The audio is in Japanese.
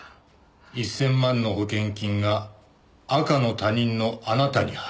１０００万の保険金が赤の他人のあなたに入る。